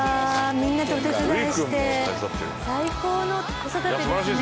みんなでお手伝いして最高の子育てですね。